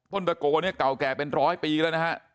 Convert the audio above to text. ตะโกเนี่ยเก่าแก่เป็นร้อยปีแล้วนะฮะ